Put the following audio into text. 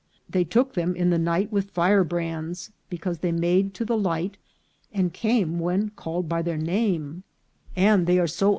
They took them in the Night with Firebrands, because they made to the Light, and came when called by their Name ; and they are so 26 302 INCIDENTS OF TRAVEL.